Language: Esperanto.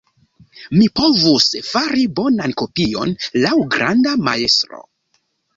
Mi povus fari bonan kopion laŭ granda majstro.